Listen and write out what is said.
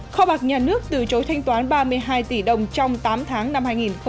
kho bạc nhà nước từ chối thanh toán ba mươi hai tỷ đồng trong tám tháng năm hai nghìn một mươi chín